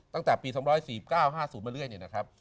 ตั้งแต่ปี๒๔๙๕๐มาเรื่อยเนี่ยนะครับ